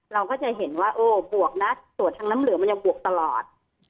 เราก็จะเห็นว่าโอ้บวกนะตรวจทางน้ำเหลืองมันยังบวกตลอด